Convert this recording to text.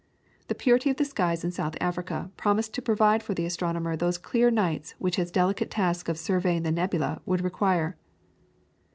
The purity of the skies in South Africa promised to provide for the astronomer those clear nights which his delicate task of surveying the nebulae would require.